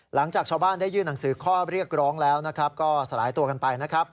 หลังจากชาวบ้านได้ยื่นหนังสือข้อเรียกร้องแล้วนะครับก็สลายตัวกันไปนะครับ